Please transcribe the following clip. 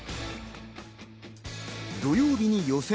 土曜日に予選。